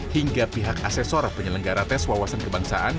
hingga pihak asesor penyelenggara tes wawasan kebangsaan